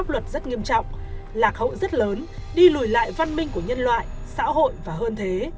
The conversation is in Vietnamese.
pháp luật rất nghiêm trọng lạc hậu rất lớn đi lùi lại văn minh của nhân loại xã hội và hơn thế